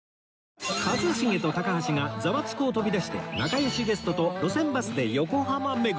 一茂と高橋が『ザワつく！』を飛び出して仲良しゲストと路線バスで横浜巡り